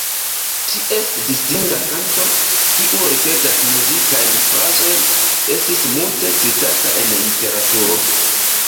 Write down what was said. Ties distinga kanto, kiu ripetas muzikajn frazojn, estis multe citata en literaturo.